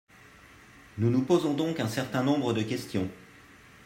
Nous nous posons donc un certain nombre de questions.